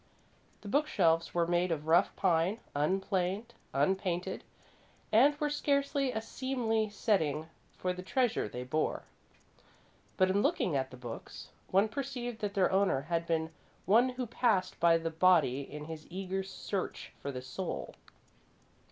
The book shelves were made of rough pine, unplaned, unpainted, and were scarcely a seemly setting for the treasure they bore. But in looking at the books, one perceived that their owner had been one who passed by the body in his eager search for the soul.